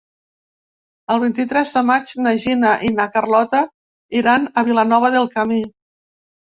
El vint-i-tres de maig na Gina i na Carlota iran a Vilanova del Camí.